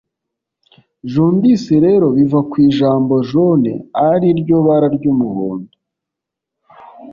Jaundice rero biva ku ijambo Jaune ari ryo bara ry’umuhondo